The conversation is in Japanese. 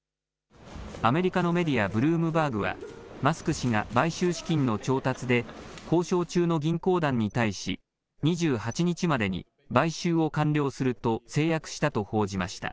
アメリカのメディア、ブルームバーグは、マスク氏が買収資金の調達で交渉中の銀行団に対し、２８日までに買収を完了すると誓約したと報じました。